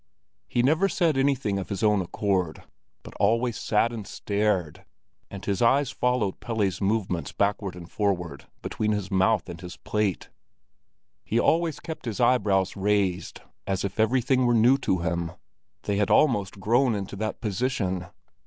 He never said anything of his own accord, but always sat and stared; and his eyes followed Pelle's movements backward and forward between his mouth and his plate. He always kept his eyebrows raised, as if everything were new to him; they had almost grown into that position.